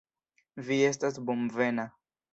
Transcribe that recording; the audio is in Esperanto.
Vi estas bonvena.